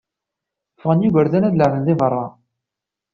Ffɣen igerdan ad leεben deg berra.